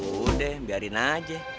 udah biarin aja